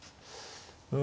うん。